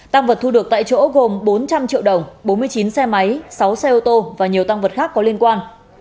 tăng vật thu được tại chỗ gồm bốn trăm linh triệu đồng bốn mươi chín xe máy sáu xe ô tô và nhiều tăng vật khác có liên quan